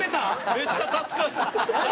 めっちゃ助かる。